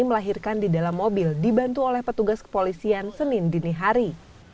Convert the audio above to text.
melahirkan di dalam mobil dibantu oleh petugas kepolisian senin dinihari